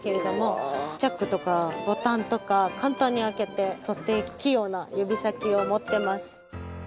チャックとかボタンとか簡単に開けて取っていく器用な指先を持っています。